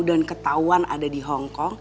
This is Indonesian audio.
dan ketauan ada di hongkong